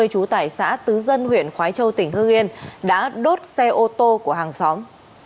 chú tải xã tứ dân huyện khói châu tỉnh hương yên đã đốt xe ô tô của hàng xóm